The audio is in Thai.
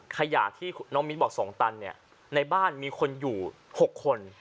ขยะที่น้องมิ้นบอก๒ตันในบ้านมีคนอยู่๖คน